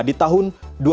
di tahun dua ribu dua puluh